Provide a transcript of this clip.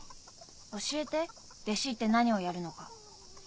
教えて弟子って何をやるのか。